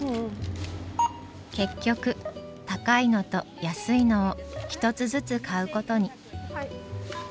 結局高いのと安いのを１つずつ買うことに。